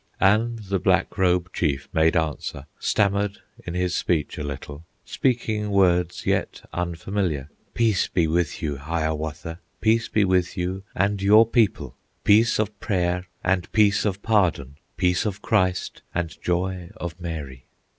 And the Black Robe chief made answer, Stammered in his speech a little, Speaking words yet unfamiliar: "Peace be with you, Hiawatha, Peace be with you and your people, Peace of prayer, and peace of pardon, Peace of Christ, and joy of Mary!"